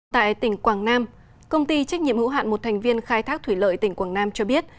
tại tỉnh quảng nam công ty trách nhiệm hữu hạn một thành viên khai thác thủy lợi tỉnh quảng nam cho biết